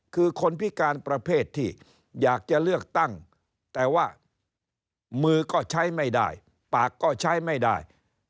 คือคนพิการประเภทที่อยากจะเลือกตั้งแต่ว่ามือก็ใช้ไม่ได้ปากก็ใช้ไม่ได้